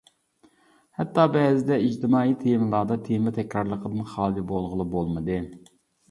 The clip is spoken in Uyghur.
ھەتتا بەزىدە ئىجتىمائىي تېمىلاردا تېما تەكرارلىقىدىن خالىي بولغىلى بولمىدى.